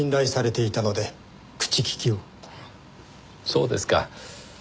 そうですか。